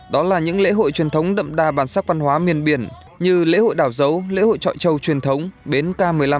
đó là những lễ hội truyền thống đậm đà bản sắc văn hóa miền biển như lễ hội đảo dấu lễ hội trọi trâu truyền thống bến k một mươi năm